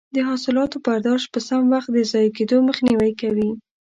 د حاصلاتو برداشت په سم وخت د ضایع کیدو مخنیوی کوي.